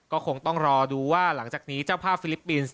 ก็คงต้องรอดูว่าหลังจากนี้เจ้าภาพฟิลิปปินส์